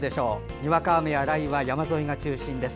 にわか雨や雷雨は山沿いが中心です。